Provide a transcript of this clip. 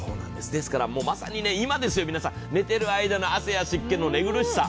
ですからまさに今ですよ、寝ている間の汗などの寝苦しさ。